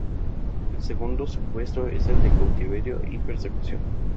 El segundo supuesto es el de cautiverio y persecución.